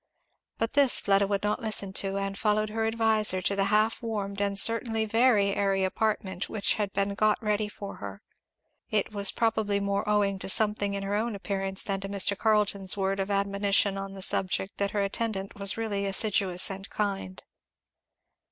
But this Fleda would not listen to, and followed her adviser to the half warmed and certainly very airy apartment which had been got ready for her. It was probably more owing to something in her own appearance than to Mr. Carleton's word of admonition on the subject that her attendant was really assiduous and kind.